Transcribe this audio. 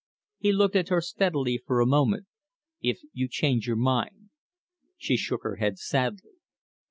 He looked at her steadily for a moment. "If you change your mind " She shook her head sadly.